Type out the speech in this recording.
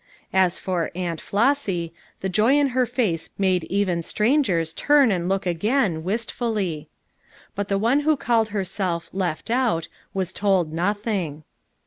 As for " Aunt Flossy" the joy in her face made even strangers turn and look again, wistfully. But the one who called herself "left out" was told nothing.